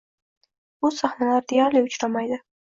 Bu sahnalar deyarli uchramaydi.